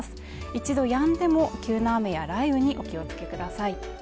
一度止んでも急な雨や雷雨にお気をつけください。